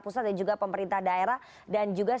pusat dan juga pemerintah daerah dan juga